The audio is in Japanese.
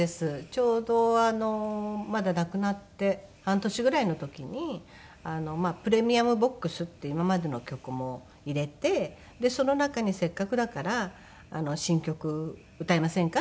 ちょうどまだ亡くなって半年ぐらいの時に『ＰｒｅｍｉｕｍＢＯＸ』っていう今までの曲も入れてでその中にせっかくだから新曲歌いませんか？